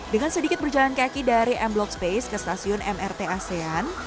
dengan sedikit berjalan kaki dari m block space ke stasiun mrt asean